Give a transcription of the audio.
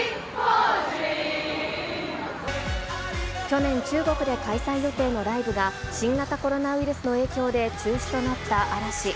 去年、中国で開催予定のライブが、新型コロナウイルスの影響で中止となった嵐。